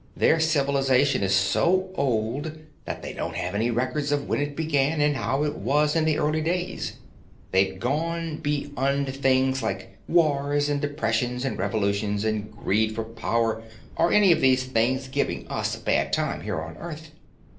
Their civilization is so old that they don't have any records of when it began and how it was in the early days. They've gone beyond things like wars and depressions and revolutions, and greed for power or any of these things giving us a bad time here on Earth.